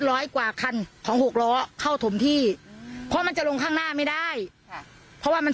ร้อยกว่าคันของหกล้อเข้าถมที่เพราะมันจะลงข้างหน้าไม่ได้ค่ะเพราะว่ามัน